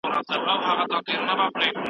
د ويښتابه ټول بديلونه له منځه لاړل.